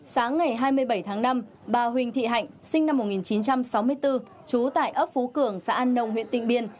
sáng ngày hai mươi bảy tháng năm bà huỳnh thị hạnh sinh năm một nghìn chín trăm sáu mươi bốn trú tại ấp phú cường xã an nông huyện tịnh biên